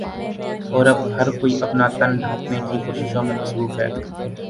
اور اب ہر کوئی اپنا تن ڈھانپٹنے کی کوششوں میں مصروف ہے